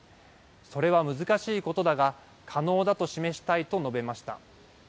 それは難しいことだが、可能だと示したいと述べました。